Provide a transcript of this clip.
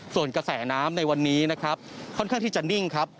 ส่วนกระแสน้ำในวันนี้นะครับค่อนข้างที่จะนิ่งครับ